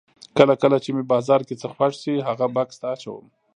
کله کله چې مې بازار کې څه خوښ شي هغه بکس ته اچوم.